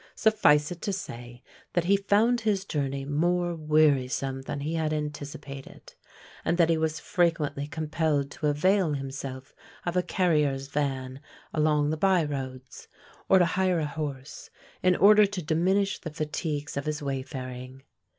Suffice it to say that he found his journey more wearisome than he had anticipated; and that he was frequently compelled to avail himself of a carrier's van along the by roads, or to hire a horse, in order to diminish the fatigues of his wayfaring.